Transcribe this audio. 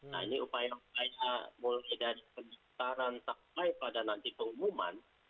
nah ini upaya upaya mulai dari pendaftaran sampai pada nanti pengumuman